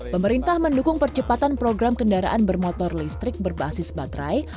pemerintah mendukung percepatan program kendaraan bermotor listrik berbasis baterai